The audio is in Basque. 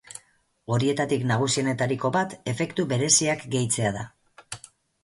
Horietatik nagusienetariko bat efektu bereziak gehitzea da.